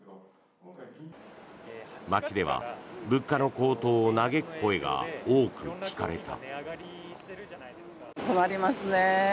街では物価の高騰を嘆く声が多く聞かれた。